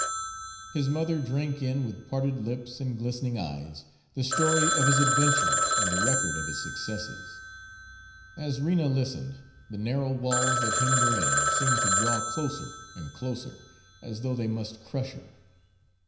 His mother drank in with parted lips and glistening eyes the story of his adventures and the record of his successes. As Rena listened, the narrow walls that hemmed her in seemed to draw closer and closer, as though they must crush her.